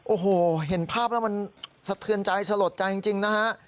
โอ้โหเห็นภาพแล้วมันสะเทือนใจสลดใจจริงนะฮะ